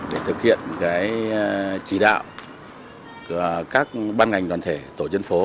để thực hiện chỉ đạo của các ban ngành toàn thể tổ dân phố